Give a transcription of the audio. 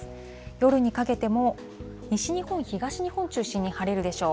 夜にかけても、西日本、東日本を中心に晴れるでしょう。